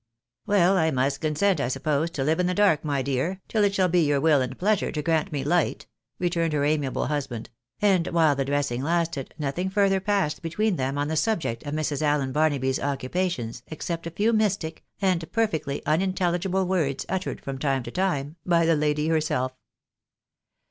" Well, I must consent, I suppose, to hve in the dark, my dear, till it shall be your will and pleasure to grant me light," returned her amiable husband ; and while the dressing lasted, nothing further passed between them on the subject of Mrs. Allen Barnaby's occu pations, except a few mystic, and perfectly unintelhgible words, uttered from time to time, by the lady herself.